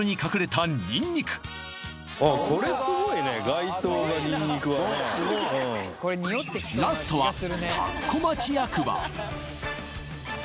街灯がニンニクはねスゴいラストは田子町役場